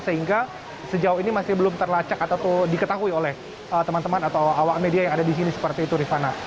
sehingga sejauh ini masih belum terlacak atau diketahui oleh teman teman atau awak media yang ada di sini seperti itu rifana